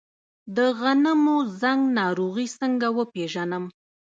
د غنمو زنګ ناروغي څنګه وپیژنم؟